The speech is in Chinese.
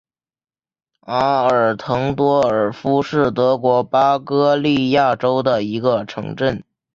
阿尔滕多尔夫是德国巴伐利亚州的一个市镇。